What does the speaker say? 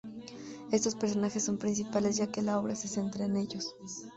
Estos personajes son los principales ya que la obra se centra en ellos.